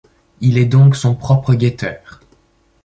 Il est donc son propre guetteur.